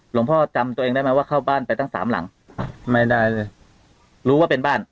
พ่อจำตัวเองได้ไหมว่าเข้าบ้านไปตั้งสามหลังไม่ได้รู้ว่าเป็นบ้าน